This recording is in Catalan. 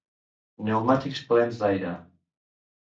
Pneumàtics plens d’aire.